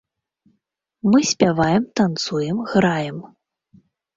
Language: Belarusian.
Мы спяваем, танцуем, граем.